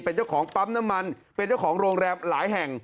เป็นเจ้าของปั๊มน้ำมันเป็นเจ้าของโรงแรมหลายแห่ง